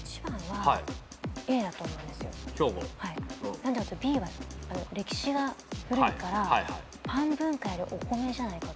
何でかってＢは歴史が古いからパン文化よりお米じゃないかと。